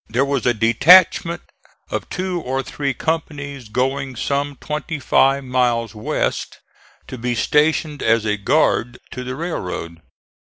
There was a detachment of two or three companies going some twenty five miles west to be stationed as a guard to the railroad.